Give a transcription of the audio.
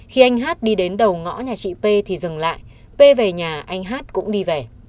khi anh hát đi đến đầu ngõ nhà chị p thì dừng lại p về nhà anh hát cũng đi về